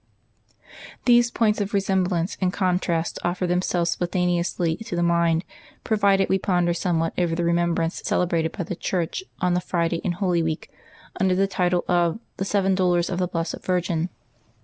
These points of resemblance and contrast offer themselves spontaneously to the mind, provided we ponder somewhat over the remembrance celebrated by the Church on the Friday in Holy Week, under the title of " The Seven Dolors of the Blessed Virgin."